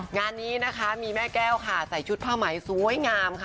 งานนี้นะคะมีแม่แก้วค่ะใส่ชุดผ้าไหมสวยงามค่ะ